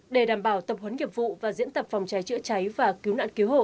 để đảm bảo tập huấn nghiệp vụ và diễn tập phòng cháy chữa cháy và cứu nạn cứu hộ